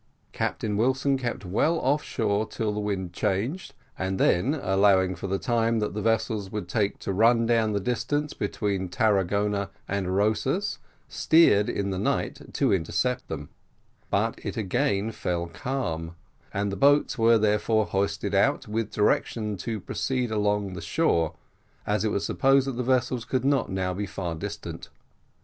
Captain Wilson kept well off shore until the wind changed, and then, allowing for the time that the vessels would take to run down the distance between Tarragona and Rosas, steered in the night, to intercept them; but it again fell calm, and the boats were therefore hoisted out, with directions to proceed along the shore, as it was supposed that the vessels could not now be far distant.